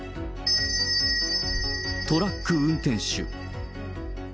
トラック運転手。